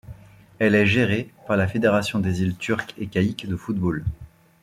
Elle est gérée par la Fédération des Îles Turques-et-Caïques de football.